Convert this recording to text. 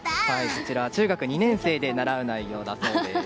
こちらは中学２年生で習う内容だそうです。